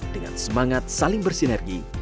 dengan semangat saling bersinergi